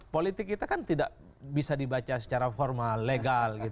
politik kita kan tidak bisa dibaca secara formal legal